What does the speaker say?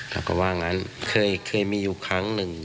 เขาก็ว่างั้นเคยมีอยู่ครั้งหนึ่ง